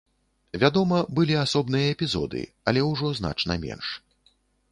Вядома, былі асобныя эпізоды, але ўжо значна менш.